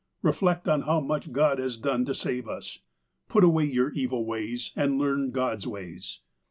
Ee flect on how much God has done to save us. Put away your evil ways, and learn God's ways.